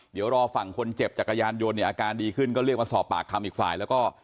เดี๋ยวรอฝั่งคนเจ็บจักรยานยนต์เนี่ยอาการดีขึ้นก็เรียกมาสอบปากคำอีกฝ่ายแล้วก็